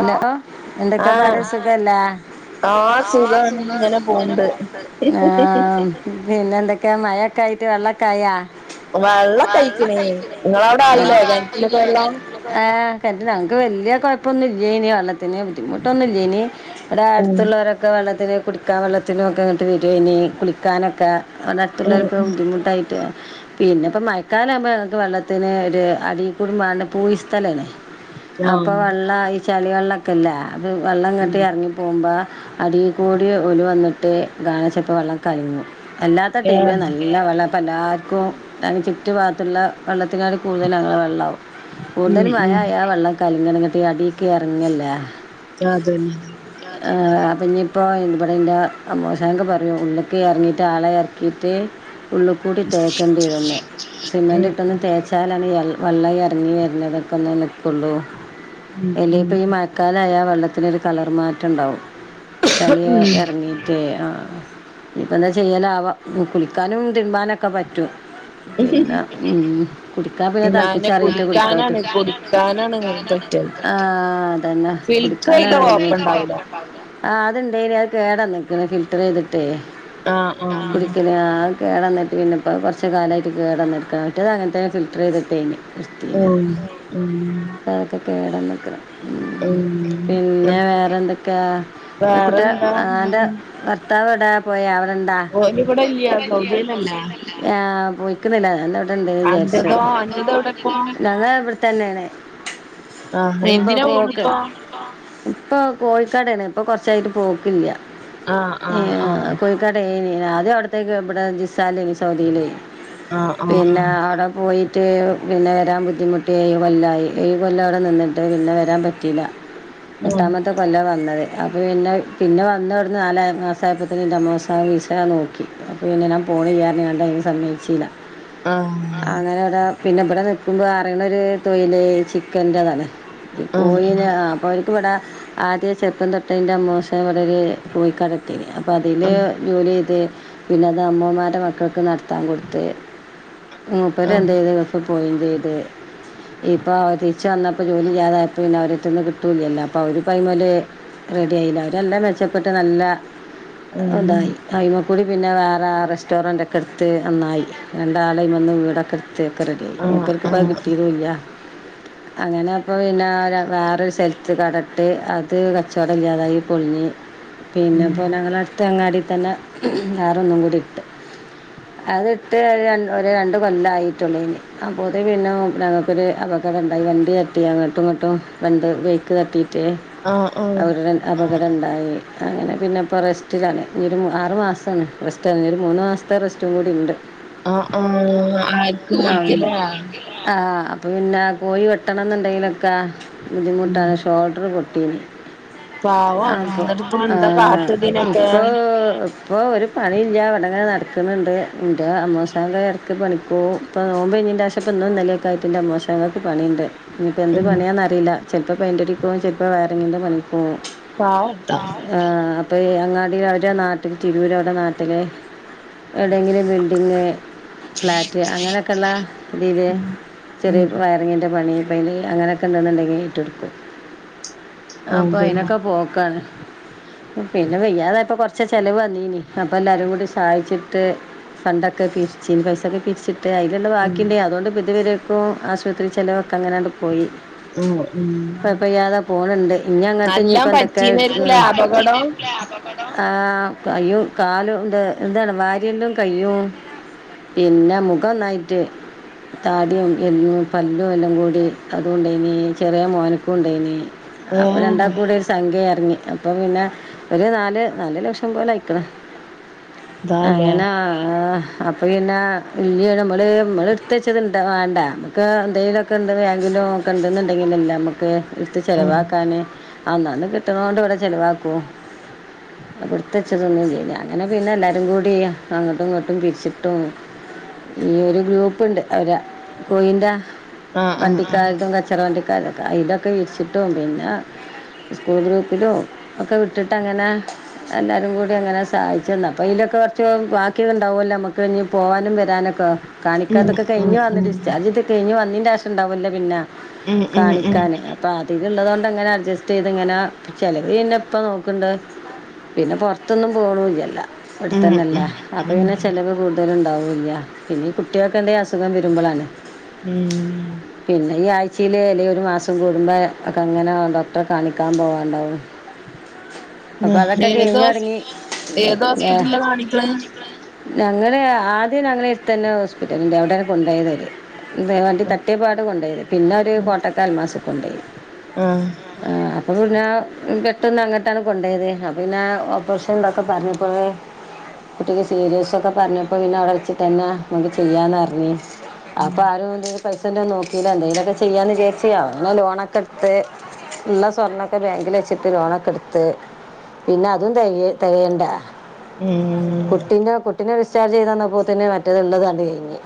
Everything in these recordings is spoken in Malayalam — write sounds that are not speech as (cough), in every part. അലോ എന്തൊക്കെ പാട് ആഹ് സുഖല്ലേ ആഹ് ആ സുഖാണ് സുഖാ ഇങ്ങനെ ങ്ങനെ പോണ്ട് പോക്ന്ന് ആ ആ. പിന്നെന്തൊക്കെ മയക്കായിട്ട് വെള്ളക്കായാ? വെള്ളക്കെ ആയിക്കണ് ഇങ്ങളവിടെ ആയില്ലേ കെണറ്റിലൊക്കെ വെള്ളം? ആഹ്, കെണറ്റി ഞങ്ങക്ക് വെല്യ കൊഴപ്പൊന്നുല്ലേയിനി വെള്ളത്തിന് ബുദ്ധിമുട്ടൊന്നുല്ലേനി ഇവിടെ ഉം അട്ത്ത്ള്ളോര് ക്കെ വെള്ളത്തിന് കുടിക്കാൻ വെള്ളത്തിനു ഒക്കെ ഇങ്ങട്ട് വെരുവേനി കുളിക്കാനൊക്കെ (unintelligible) ഉം ല്ലാർക്കു ബുദ്ധിമുട്ടായിട്ട് പിന്നെ പ്പ മഴക്കാലം ആവ്മ്പോ ഞങ്ങക്ക് വെള്ളത്തിന് ഒരു അടീകൂടി മാണ്ട് പൂയി സ്ഥലേണ് ഉം അപ്പൊ ആഹ് വള്ളായി ഈ ചളി വെള്ളക്കെല്ലേ അത് വെള്ളം ഉം ഇങ്ങട്ട് എറങ്ങി പോകുമ്പോ അടിയിൽക്കൂടി ഓല് വന്നിട്ട് (unintelligible) വെള്ളം കലങ്ങും അല്ലാ ത്ത ടൈമില് ഏഹ് നല്ല വള്ളാ അപ്പം എല്ലാർക്കും ഞ ചുറ്റു ഭാഗത്തുള്ള വെള്ളത്തിനാട്ടി കൂടുതൽ ഞങ്ങളെ വെള്ളാവും ഉം കൂടുതല് മഴ ഉം ആയാ വെള്ളം കലങ്ങാണ് ന്നിട്ട് അടിക്ക് എറങ്ങല്ലേ ആ അതെന്നെ. ആഹ് അപ്പഞ്ഞിപ്പോ ഇവടെ ഇന്റെ അമ്മോശാക്ക പറിയും ഒന്ന്ക്കെ അറങ്ങിയിട്ട് ആളെ ഇട്ട് ഉള്ളുകൂടി ഉം തേക്കേണ്ടിവന്ന് സിമെൻറ് ഉം ഇട്ടൊന്ന് തേച്ച ച്ചാലാണ് എ വെള്ള ഈ എറങ്ങി വെര്ണതൊക്കൊന്ന് നിക്കൊള്ളൂ ഉം എല്ലേ ഇപ്പ ഈ ഉം മഴക്കാലായ ആ വെള്ളത്തിനൊരു കളർ മാറ്റം ണ്ടാവും ചളി ഉം എറങ്ങി ക്കേ ആ ഇപ്പ എന്താ ചെയ്യലാവോ കുളിക്കാനും തിര്മനൊക്കെ പറ്റും പിന്ന ഉം കുടിക്കാ പിന്നെ തളപ്പിച്ചാ റിട്ടെ കുടിക്കാ പറ്റു ധാനാണ് (unintelligible) ആഹ് അതന്നെ ചെയ്ത പിടിക്കാനാണ് ബുദ്ധിമുട്ട് കൊഴപ്പണ്ടാവൂല ആഹ് അത്ണ്ടേനി അത് കേടെന്ന് ക്ണ് ഫിൽറ്റർയ്തിട്ടേ ആഹ് ആ ആഹ് കുടിക്കണെ ആ കേടന്നിട്ട് പിന്നെപ്പ കൊറച്ച് കാലായിട്ട് കേടന്നടുക്ക മറ്റത് അങ്ങനത്ത ഫിൽട്ടർ യ്തിട്ടെനി ഉം ഉം അതൊക്കെ കേടെന്ന്ക്ണ് ഉം പിന്നെ വേറെന്തൊക്കെ കുട്ടിൾ വേറെന്താ ആന്റെ ഭർ ഭർത്താവെവിടാ പോയാ അവടെണ്ടാ, ഓല് ഇവിടെല്ല സൗദിയിലല്ലേ ഇവിടെയില്ല (unintelligible) ആഹ് പോയിക്ക്ണില്ലേ ഞാൻ ഇവിടെ ഇണ്ട്ന്ന് വിചാരിച്ചു അന്റതോ അന്റത് എവിടെ ഇപ്പോ ഞാൻ ഇതാ ഇവിടെത്തന്നെയാണ് ആഹ് എന്തിനാ പോണിപ്പോ (unintelligible) ഇപ്പൊ കോഴിക്കടയാണ് ഇപ്പൊ കൊറച്ചായിട്ട് പോക്കില്ല ആഹ് ആഹ് ഏഹ് ആഹ് കോഴി തുണിക്കടയേനി ആദ്യം (unintelligible) ഇബടെ ജിസാല്ലേനി സൗദിയില് പിന്നെ ആഹ് ആടെ പോയിട്ട് ഏഴു പിന്നെ വരാൻ ബുദ്ധിമുട്ടി ഏഴ് കൊല്ലായി ഏഴ് കൊല്ല അവടെ നിന്നിട്ട് പിന്നെ വരാൻ പറ്റീല്ലാ ആഹ് എട്ടാമ (unintelligible) കൊല്ലാ വന്നത് അപ്പം പിന്നെ പിന്നെ വന്ന അവട്ന്ന് നാല് മാസം ആയപ്പോത്തിനും ഇന്റെ അമ്മോസാക്ക വിസാ നോ അപ്പോ പിന്നെ ഞാൻ പോണില്ലാന്ന് പറഞ്ഞ്ങ്ങാണ്ട് അയിന് സമ്മയിച്ചീല്ല ആഹ് അങ്ങനെയിവിടെ പിന്നെ ഇബടെ, നിക്കുമ്പോ അറയണ ഒരു തൊയിലെ വിചാരിച്ച് ഗതികേടാണ് ആഹ് ആഹ് പോയിനെ ആഹ് (unintelligible) ഇപ്പ ഇവിടെ ആദ്യ ചെറുപ്പം തൊട്ട് ഇൻ്റെ അമ്മോശൻ ഇവിടെ‌ ഒരു തുണിക്കട ഇട്ടീനി അപ്പോ അതില് ജോലിചെയ്ത്, പിന്നെയത് അമ്മമാരുടെ മക്കക്കുനടത്താൻ കൊടുത്ത് ആഹ് മൂപ്പരെന്തയ്ത് ഗൾഫ് പോവേം ചെയ്ത്. ഇപ്പോ അവധി ചെന്നപ്പം ജോലി ചെയ്യാതായപ്പം പിന്നെ അവരെട്ത്ത്ന്ന് കിട്ടൂല്ലല്ലോ അപ്പൊ അവര് പറിം പോലെ റെഡിയായില്ല, അവരെല്ലാം മെച്ചപ്പെട്ട് നല്ല ഉം ഇതായി അയിമ്മെക്കൂടി പിന്നെ വേറെ റെസ്റ്റോറന്റൊക്കെയെടുത്ത് നന്നായി രണ്ടാളു വന്ന് വീടൊക്കെയെടു സയൊക്കെ റെഡിയായി ആഹ് മൂപ്പർക്ക് ഇപ്പത് ആഹ് കിട്ടിയതുല്ല അങ്ങനെയായപ്പോ പിന്നെ ര വേറൊരു സ്ഥലത്ത് കടയിട്ട്, അത് കച്ചവടയില്ലാതായി പൊളിഞ്ഞ് ഉം പിന്നെപ്പോ ഞങ്ങളെ അട്ത്ത അങ്ങാടിത്തന്നെ വേറൊന്നുക്കൂടി ഇട്ട് അതിട്ട് ഒര് ഒരു രണ്ടു കൊല്ലായിട്ടുള്ളൂ അയിന് അപ്പോത്തിനും പിന്നെ ഞങ്ങക്കൊരു (unintelligible) അപകടണ്ടായി, വണ്ടി തട്ടി അങ്ങോട്ടു ഇങ്ങോട്ടും വണ്ടി ബ്രേക്കുതട്ടിയിട്ട് ആഹ് ആഹ് അവരുടെ അപകട ഇണ്ടായി അങ്ങനെ പിന്നെയിപ്പോ റെസ്റ്റിലാണ്, ഇനിയൊരു മൂ ആറുമാസമായി റെസ് (unintelligible) ഇനിയൊരു മൂന്നു മാസത്തെ റെസ്റ്റും കൂടിയുണ്ട് ആഹ് ആഹ് ആർക്ക് ആഹ്, ഓൽക്ക്ല്ലേ ആഹ്, അപ്പൊ പിന്നെ പോയി വെട്ടണന്ന്ണ്ടെങ്കിലൊക്കെ ഉം ബുദ്ധിമുട്ടാണ് ഷോൾഡറ് പൊട്ടീന് പാവാണ് അതെ എന്നിട്ട് ഇപ്പോ എന്താ കാട്ട ആഹ് ഇതിനൊക്കെ ഇപ്പോ ഇപ്പോ ഒരു പണില്ല്യ ഇവടെങ്ങനെ നടക്ക്ണുണ്ട് ന്റെ അമ്മോസൻ എടക്ക് പണിക് പോവും ഇപ്പ നോമ്പയ്ഞ്ഞേന്റേഷപ്പന്നും ഇന്നലെക്കായിറ്റ് ന്റെ അമ്മോസൻ ക്ക് പണിണ്ട് ഇഞ്പ്പോ എന്ത് ഉം പണിയാന്നറീല ചെലപ്പോ പെയിന്റടി പോവും ചെലപ്പോ വയറിങ്ങിന്റെ പണിക്ക് പോവും പാവട്ടാ ആഹ് അപ്പൊ ഈ അങ്ങാടില് അവരെ നാട്ടില് തിരൂര് അവരെ നാട്ടിലെ എവിടെങ്കിലും ബിൽഡിങ്ങിനെ ഫ്ലാറ്റ് അങ്ങനെക്കെള്ള രീതിയെ ഉം ചെറി ഉം വയറിങ്ങിന്റെ പണി പെയിന്റിംഗിന്റെ അങ്ങനെക്കണ്ട്ന്ന്ണ്ടെങ്കി ഏറ്റ്ട്ക്കും അപ്പൊ അതന്നെ അയിനൊക്കെ പോക്കാണ് പിന്നെ വയ്യാതായപ്പൊ കൊറച്ചൊര് ചെലവ് വന്നീനി അപ്പൊ എല്ലാരും കൂടി സഹായിച്ചിട്ട് ഫണ്ടൊക്കെ പിരിച്ച്ന് പൈസൊക്കെ പിരിച്ചി ട്ട് അയില്ള്ള ഉം വാക്കിണ്ടേ അതോണ്ട്പ്പ ഇത് വരേക്കും ആശുപത്രി ചെലവൊക്കെ അങ്ങനാണ്ട് പോയി ഉം ഉം ഇപ്പ പ്പയ്യാതെ പോണ് ണ്ട് ഇനി അങ്ങട്ട് ഇഞ്പ്പ നല്ലോം എന്തെക്കാ പറ്റീന്നായിരിക്കൂലേ അപകടം ആഹ് കയ്യും കാലുണ്ട് എന്താണ് വാരിയെല്ലും കയ്യും പിന്നെ മുഖംനായിറ്റ് താടിയും (unintelligible) പല്ലും എല്ലാം കൂടി അതുണ്ടേന് ചെറിയ മോൻക്കും ഇണ്ടായിന് അപ്പൊ ഏഹ് രണ്ടാൾക്കുകൂടി സംഖ്യ ഇറങ്ങി അപ്പൊ പിന്നെ ഒരു നാല് നാല് ലക്ഷം പോലയെക്കണ് ഇതാല്ലേ അങ്ങനെ ആഹ് അപ്പേ പിന്നെ ഇയ്യ്‌ മ്മൾ മ്മൾ എടുത്ത് ച്ചത്ണ്ട വേണ്ടേ ഇക്ക എന്തെങ്കിലൊക്കെ ഇണ്ട് ബാങ്കിലു കണ്ടെന്ന് ഇണ്ടാകിലല്ലേ നമുക്ക് ഇടുത്ത് ഉം ചെിലവാക്കാന് അന്നന്ന് കിട്ടണത് കൊണ്ട് ഇവിടെ ചെിലവാക്കൂ ഇടുത് വെച്ചതൊന്നും ഇല്ല അങ്ങനെ പിന്നെ എല്ലാരും കൂടി അങ്ങോട്ടും ഇങ്ങോട്ടും പിരിച്ചിട്ടും ഈ ഒരു ഗ്രൂപ്പ്ണ്ട് അവരാ കോയിന്റ ആഹ് ആഹ് വണ്ടിക്കാരതും കച്ചറ വണ്ടിക്കാരുംഒകെ അതിലൊക്കെ ഇടിച്ചിട്ടും പിന്നെ സ്കൂൾ ഗ്രൂപ്പില്ലോ ഒക്കെ വിട്ട്ട്ട് അങ്ങനെ എല്ലാരും കൂടെ അങ്ങനെ സഹായിച്ചന്ന് അപ്പൊ അതിലൊക്കെ കുറച്ച് ബാക്കിണ്ടാവോല്ല നമ്മുക്ക് ഇനി പോവാനും വരാനക്കെ ഉം കാണിക്കാത്തൊക്കെ ഉം കഴിഞ്ഞ് വന്നിട്ട് ഉം ഡിസ് ഇതൊക്കെ കഴിഞ്ഞ് വന്നിന്റെ ആവശ്യം ഉണ്ടാവല്ലേ പിന്നെ ഉം ഉം ഉം കാണിക്കാന് അപ്പൊ അതിന്ന് ഉള്ളത് കൊണ്ട് എങ്ങനെ അഡ്ജസ്റ്റ് ചെയ്ത് ഇങ്ങനെ ചെലവ് ഇന്നെ ഇപ്പ നോക്കണ്ട് പിന്നെ പോറത്തൊന്നും പോണുല്ലല്ല ഉം ഇവിടെത്തന്നലെ അപ്പൊ ഉം പിന്നെ ഉം ചെലവ് കൂ ന്റെൽ ഉണ്ടാവൂല്ല പിന്നെ ഈ കുട്ടികൾക്ക് എന്തേലും അസുഖം വരുമ്പളണ് മ്മ് പിന്നെ ഈ ആഴ്ച്ചെല് അല്ലങ്കിൽ ഒരു മാസം കൂടുമ്പ ഒക്കെ അങ്ങനെ ഡോക്ടറെ കാണിക്കാൻ പോവാണ്ടാവും ആ, അപ്പൊ അതൊക്കെ ഏത് ഹോസ് കഴിഞ്ഞറങ്ങി ഏത് ഹോസ്പിറ്റലിലാ ഹോസ്പിറ്റലില്ല കാണിക്കണേ കാണിക്കണ് ഞങ്ങള് ആദ്യം ഞങ്ങളെ എടുത്തു തന്നെ ഹോസ്പിറ്റൽ ഇണ്ട് അവിടെ കൊണ്ട് പോയത് അവര് ഇവെ വണ്ടി തട്ടിയപ്പാട് കൊണ്ടോയിത് പിന്നെ അവര് കോട്ടക്കാൽ അൽ മാസ് കൊണ്ടോയി ആഹ് ആഹ് അപ്പൊ പിന്നെ പെട്ടന്ന് അങ്ങട്ടാണ് കൊണ്ടയത് അപ്പൊ പിന്നെ ഓപ്പറഷൻന്തൊക്കെ പറഞ്ഞപ്പോഴെ കുട്ടിക്ക് സീരിയസ് ഒക്കെ പറഞ്ഞപ്പോ പിന്നെ അവിടെ വെച്ച് തന്നെ നമുക്ക് ചെയ്യാന്ന് പറഞ്ഞ് ഉം അപ്പൊ ആരും എന്തെങ്കും പൈസന്റെ അപ്പ അപ്പോ ആരും എന്റേന്ന് പൈസ ഇണ്ടോന്നും നോക്കില്ല എന്തെകിലുമൊക്കെ ചെയ്യാന്ന് വിചാരിച് അങ്ങനെ ലോണൊക്കെ എടുത്ത് ഉള്ള സ്വർണ്ണൊക്കെ ബാങ്കിൽ വെച്ചിട്ട് ലോണൊക്കെ ഇടുത്ത് പിന്നെ അതും തേകയ് തേകയേണ്ടേ ഉം കുട്ടിന്റെ കുട്ടിനെ ഡിസ്ചാർജ് ചെയ്തന്നപ്പോ ത് ന് മറ്റേത് ഇള്ളത് അത് കഴിഞ്ഞ്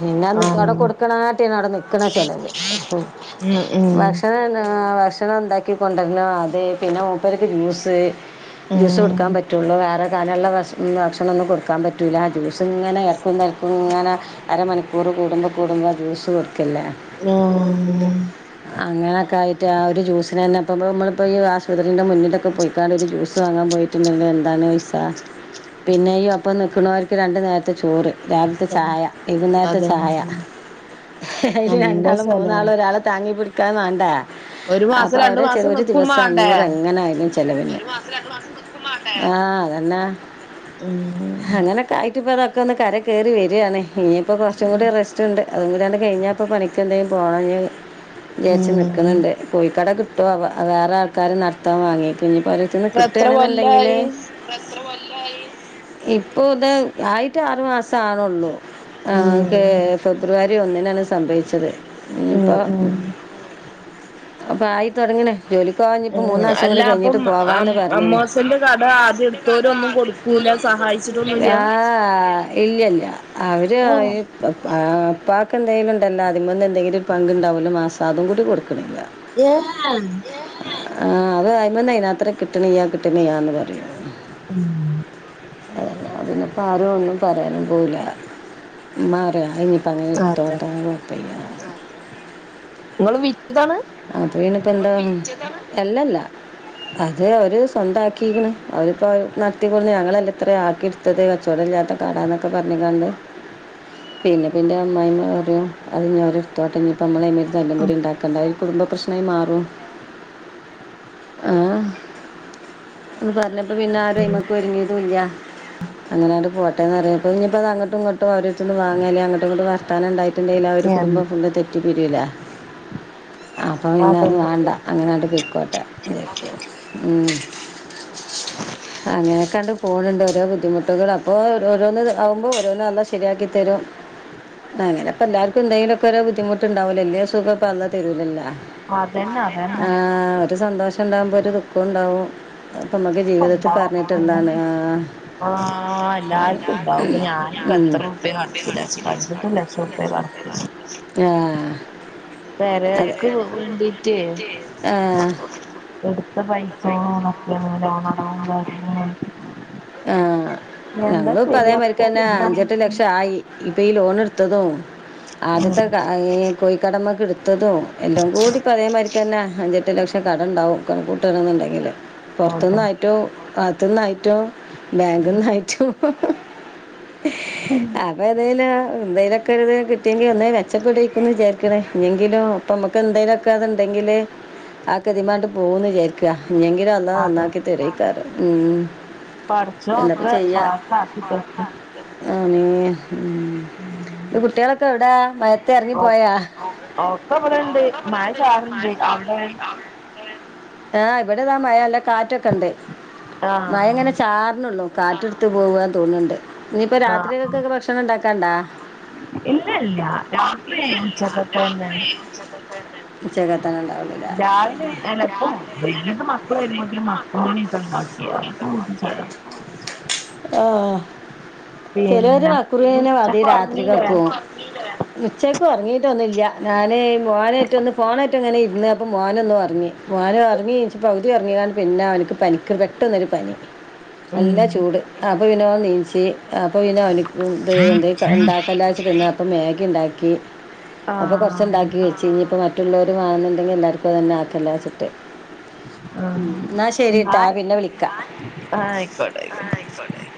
പിന്നെന്ത് അവിടെ ആഹ് കൊടുക്കണാകാട്ടിം ആണ് അവിടെ നിക്കണ ചെലവ് മ്മ് ഉം ഉം ഭക്ഷണം (unintelligible) ഭക്ഷണം ഉണ്ടാക്കി കൊണ്ടുവരണം അത് പിന്നെ മൂപ്പര്ക്ക് ജ്യൂസ് ജ്യൂസ് ഉം കൊടുക്കാൻ പറ്റുള്ളൂ വേറെ കാനുള്ള ഭക്ഷ ഭക്ഷണംമോന്നും കൊടുക്കാൻ പറ്റുല്ല ജ്യൂസ് ഇങ്ങനെ എടക്കും തലക്കും ഇങ്ങനെ അരമണിക്കൂറ് കൂടുമ്പോ കൂടുമ്പ ജ്യൂസ് കൊടുക്കല്ലേ നോ അങ്ങനെയൊക്കെ ആയിട്ട് ആ ഒരു ജ്യൂസന് തന്നെപ്പോ നമ്മളിപ്പോ ഈ ആശുപത്രിന്റെ മുന്നിലെക്കെ പോയി കടെല്ല് ഒരു ജ്യൂസ് വാങ്ങാൻ പോയിട്ടുണ്ടകില് എന്താണ് പൈസ പിന്നെ ഈ ഒപ്പം നിക്കണോർക്ക് രണ്ടു നേരത്തെ ചോറ് രാവിലത്തെ ഛായ വൈകുന്നേരത്തെ അതന്നെ ഛായ അതന്നെ അതിൽ നല്ല രണ്ടാളും സ്ഥലാണ് മൂന്നാളും ഒരാളെ താങ്ങി പിടിക്കാൻ വേണ്ടേ ഒരു മാസം അപ്പൊ രണ്ടു അവരെ വെച്ച മാസം ഒരു നിക്കും ദിവസം മാണ്ടേ അഞ്ഞൂറ് എങ്ങനായാലും ചെ ചെലവിന് ഒരു മാസം രണ്ടു മാസം നിക്കും വേണ്ടേ ആഹ് അതന്നെ ഉം അങ്ങനൊക്കെയിട്ടിപത ക്കെ ഒന്ന് കര കേറി വരാണ് ഇനിയിപ്പോ കൊറച്ചും കൂടി റെസ് അതും കൂടിയണ്ട് കഴിഞ്ഞാ പ്പോ പണിക്ക് എന്തെങ്കിലും പോകന് വിചാരിച് ഉം നികാണണ്ട് കോഴിക്കട കിട്ടോ ആവോ അത് വേറെ ആൾക്കാര് നടത്താൻ വാങ്ങി പിന്നീപ്പ അവരുത്തുന്ന് ഇപ്പ എത്ര കിട്ടണെന്നുണ്ടെങ്കില് കൊല്ലായി ഇപ്പൊ എത്രകൊല്ലായി ഇപ്പൊ ഇത് ആയിട്ട് ആറു മാസം ആണുള്ളൂ ആ ക്കെ ഉം ഫെബ്രുവരി ഒന്നിനാണ് സംഭവിച്ചത് ഉം ഇപ്പൊ അപ്പൊ ആയിതോടങ്ങനേ ജോലിക്കുവാൻ ഇപ്പ മൂന്ന് ഏഹ് മാസം അല്ല കൂടി അപ്പം കഴിഞ്ഞിട്ട് അം പോവാന്ന് പറനെഞ്ഞ് അമ്മോസന്റെ കട ആദ്യം എടുത്തോരൊന്നും കൊടുക്കൂല സഹായിച്ചിട്ടൊന്നുല്ല ആഹ് ഇല്ലല്ല അവര് ഏഹ് ഇപ്പക്ക് എന്തെങ്കലും ഇണ്ടല്ലോ അതിമന്ന് എന്തെങ്കിലും ഒരു പങ്ക് ഉണ്ടാവല്ലോ മാസം അതുകൂടി കൊടുക്കണില്ല ഏഹ് ആ അത് അയ്മന്ന് അയ്നാത്രം കിട്ട്ണില്ല കിട്ട്ണില്ല പറയും ഉം അതിനിപ്പോ ആരോ ഒന്നും പറയാനും പോവൂല ഇമ്മാറയ അയ്നിപ്പോ അങ്ങനെ അതെ എടുത്തോട്ടെ കുഴപ്പമില്ല നിങ്ങള് വിറ്റതാണ് അത് പിന്നെപ്പന്താ അല്ലല്ല അത് ഓര് സ്വന്താകിക്ക്ണ് അവരിപ്പോ നടത്തിക്കൊ ഞങ്ങളല്ല ഇത്ര ആക്കിയത് ഇപ്പൊ തീരെ കച്ചോടല്ലത്തെ കടാന്നൊക്കെ പറഞ്ഞുകാണ്ട് പിന്നെ പിന്നെ അമ്മായിമ്മ പറയ അത് ഓൽ ഇട്ത്തോട്ടെ ഇനിപ്പോ അതിന് ഞമ്മൾ അയന് തല്ലുംപിടി ഇണ്ടാക്കണ്ട കുടുംബപ്രശ്നമായി മാറും ആ ഇപ്പൊ പറഞ്ഞപ്പ പിന്നെ ആരുഅയ്മ്മക്ക് ഒരുങ്ങിയതുല്ല അങ്ങനെയങ്ങട്ട് പോട്ടേന്ന്റയപ്പോ ഇനിപ്പത് അങ്ങട്ടും ഇങ്ങോട്ടും ഓരോര്ത്ത്ന്ന് വാങ്ങേല്ലി അങ്ങട്ടും ഇങ്ങോട്ടും വാർത്തനണ്ടായി ന്തേലും ആ ഒരു കുടുംബം എന്താ ഒന്ന് തെറ്റിപ്പിരീലെ അപ്പൊപിന്നെ പെണ്ണെ അതുവാണ്ട അങ്ങനെങ്ങട്ട് പൊയ്ക്കോട്ടേ (unintelligible) മ്മ് (inaudible) അങ്ങനൊക്കാണ്ട് പോണുണ്ട് ഓരോ ബുദ്ധിമുട്ടുകൾ അപ്പൊ ഓരോന്ന് ആവുമ്പോ ഓരോന്ന് അള്ളാ ശരിയാക്കി തരും അങ്ങനെപ്പൊ എല്ലാർക്കും എന്തെങ്കിലുംക്കെ ഒരു ബുദ്ധിമുട്ടുണ്ടാവൂലെ എല്ല്യ സുഖക്കോ അള്ള തരൂല്ലല്ലോ അതന്നെ അതന്നെ ആഹ് ഒരു സന്തോഷം ഉണ്ടാവുമ്പോ ഒരു ദുഃഖം ഉണ്ടാവും അപ്പൊ നമ്മക്ക് ജീവിതത്തി ഒക്കെണ്ടാവും പറഞ്ഞിട്ടുള്ളാണ് അതന്നെ ആ ആഹ് എല്ലാർക്കും ഉണ്ടാവുംപ്പൊ ഞാനിപ്പ ഉം. എത്രറുർപ്പി കടത്തില അഞ്ചട്ട് ലക്ഷം ഉർപ്പി കടത്തില (inaudible) ആ പെരേക്ക് വേണ്ടീട്ടേ (unintelligible) ആ എടുത്ത പൈസോളും (unintelligible) മറ്റേതും ലോണടവും കാര്യങ്ങളും ആ എന്താ ചെയ്യാ ഒക്കെ ഞങ്ങളുപ്പതേമാതിരിക്കന്നെ ശരിയാവും അഞ്ചെട്ട് ലക്ഷം ആയി ഇപ്പയീ ലോണ് ട്ത്തതും ആദ്യത്തെ ക യീ കോഴിക്കടമക്കെടുത്തതും എല്ലംകൂടി അതേമാതിരിക്കന്നെ അഞ്ചെ ട്ട് ലക്ഷം കടണ്ടാവും കാണൂട്ടാണ്ന്നെങ്കിൽ അതെ പൊറത്തുന്നായിട്ടും അകത്തുന്നായിട്ടും ബേങ്ക്ഹൈറ്റു (unintelligible) ഹും അപ്പോഎതേലും എന്തെലൊക്കെരുത് കിട്ടിയെങ്കി ഒന്ന് മെച്ചപ്പെടേയിക്കുന്ന് വിജാരിക്ക്ണ് ഇഞെങ്കിലും പ്പോ മ്മക്ക്ന്തേങ്കിലൊക്കെ അത്ണ്ടെങ്കിൽ ആക്കെ തീമ്മെങ്ങട്ട് പോവുന്ന് വിജാരിക്ക ഇഞെങ്കിലുംഅ അള്ളാ അതെ നന്നാക്കി തെരേക്കാരം മ്മ് പടച്ചോൻ എന്നാപ്പോ ഒക്കെ ചെയ്യാ പാസ്സാക്കി തരട്ടെ അങ്ങെ മ് കുട്ടിയാളോക്കെ എവിടെ മ ഓ ഒക്കെ ബെടെണ്ട് മാഴ ചാർണ്ട് അവ്ടെ (unintelligible) ആ ഇബടീതാ മഴ നല്ല കാറ്റൊക്കെണ്ട് മഴ ആഹ് ങ്ങനെ ചാർനോള്ളു കാറ്റ് ട്ത്ത് പോവാതോന്ന്ണ്ട് ആഹ് ഇനിയിപ്പൊരാത്രികൾക്കൊക്കെ ഭക്ഷണം ഇണ്ടാക്കാണ്ടോ ഇല്ല ഇല്ല രാത്രി ഇല്ല ല്ലാ ഉച്ചക്കത്തെ തന്നെ (unintelligible) (unintelligible) ഉച്ചക്കത്തെങണ്ടാവും രാവിലെ അല്ല ഇപ്പൊ വൈകീട്ട് മക്കൾ വരുമ്പോ പിന്നെ മക്രോണിയൊക്കെണ്ടാകി (unintelligible) അആ ചെലോര് പിന്നെ വ (inaudible) മതി ഉച്ചക്ക് ഉറങ്ങീലേ രാത്രികക്കും ഒറങ്ങീട്ടില്ലേ (unintelligible) ഉച്ചക്ക് ഒറങ്ങിയിട്ടൊന്നുല്ലൃ ഞാൻ മോനായിട്ടൊന്ന് ഫോണേയിട്ട് ഇങ്ങനെ ഇരുന്ന് അപ്പം മോന്നൊറങ്ങി മാനു ഒറങ്ങി നീച്ച് പകുതി ഒറങ്ങീങ്ങാണ്ട് പിന്നെ അവനിക്ക് പനിക്ക്ന്ന് ട്ടെന്നൊരു പനി ഉം നല്ലചൂട് അപ്പപിന്നെഓന് നീച്ച് അപ്പപിന്നെ ഓന്ക്ക് ഫുഡ്‌ എന്തേ ഇണ്ടാക്കല്ലാംച്ചിട്ട് തിന്നാ പ്പൊ മേഗ്ഗിണ്ടാക്കി ആഹ് അപ്പൊ കൊറച്ച്ണ്ടാക്കി വെച്ച് ഇനിപ്പോ മ പിള്ളേരു വാങ്ങുണ്ടെങ്കിൽ എല്ലാർക്കുതന്നെ ആക്കല്ലാച്ചിട്ട് ആഹ് ഉ എന്നാ ശരിട്ടാ പിന്നെ വിളിക്കാ ആഹ ആയിക്കോട്ടെ ആയിക്കോട്ടെ